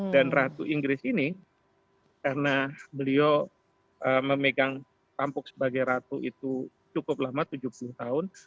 dan ratu inggris ini karena beliau memegang kampung sebagai ratu itu cukup lama tujuh puluh tahun